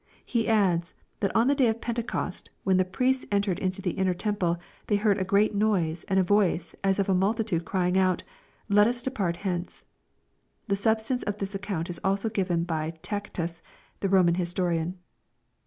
He adds, that on the day of Pentecost, when the priests entered into the inner temple, they heard a great noise and voice as of a multitude, crying out, * let us depart hence.* The substance of this account is also given by Tacitus the Roman historian."